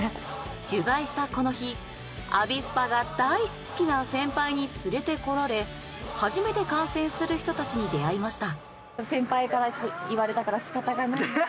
取材したこの日アビスパが大好きな先輩に連れてこられ初めて観戦する人たちに出会いました。